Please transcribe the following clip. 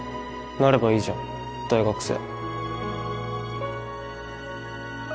なればいいじゃん大学生